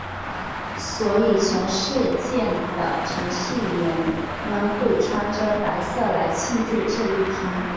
所以全世界的程序员们会穿着白色来庆祝这一天。